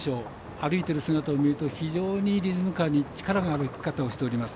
歩いている姿を見ると非常にリズミカルに力のある歩き方をしております。